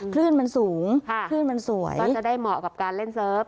คลื่นมันสูงคลื่นมันสวยก็จะได้เหมาะกับการเล่นเซิร์ฟ